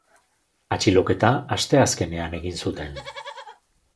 Atxiloketa asteazkenean egin zuten.